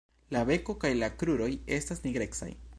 La beko kaj la kruroj estas nigrecaj.